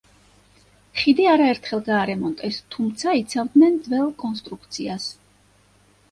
ხიდი არაერთხელ გაარემონტეს, თუმცა იცავდნენ ძველ კონსტრუქციას.